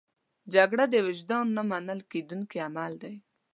جګړه د وجدان نه منل کېدونکی عمل دی